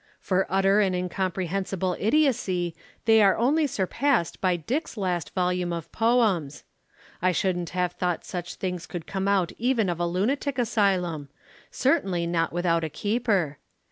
For utter and incomprehensible idiocy they are only surpassed by Dick's last volume of poems. I shouldn't have thought such things could come even out of a lunatic asylum, certainly not without a keeper.